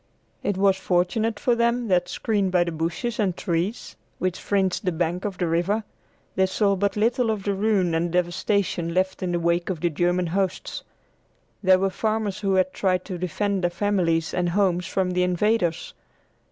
It was fortunate for them that, screened by the bushes and trees which fringed the bank of the river, they saw but little of the ruin and devastation left in the wake of the German hosts. There were farmers who had tried to defend their families and homes from the invaders.